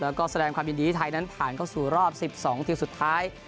แล้วก็แสดงความยินดีให้ไทยนั้นผ่านเข้าสู่รอบ๑๒ทีมสุดท้าย